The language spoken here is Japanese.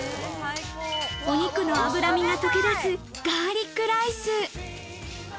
お肉の脂身が溶けだすガーリックライス。